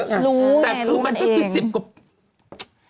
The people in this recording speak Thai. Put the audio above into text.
แต่คือมันก็คือสิบกว่า